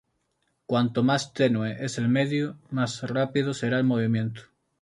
Cuanto más tenue es el medio, más rápido será el movimiento.